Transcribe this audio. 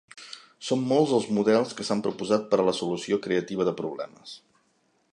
Són molts els models que s’han proposat per a la solució creativa de problemes.